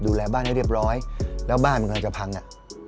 ดูแลบ้านให้เรียบร้อยแล้วบ้านมันกำลังจะพังอ่ะ